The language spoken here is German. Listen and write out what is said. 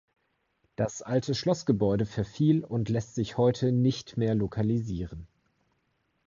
Das alte Schlossgebäude verfiel und lässt sich heute nicht mehr lokalisieren.